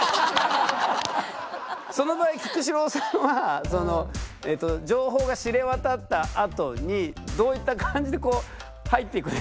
その場合菊紫郎さんは情報が知れ渡ったあとにどういった感じで入っていくんですか。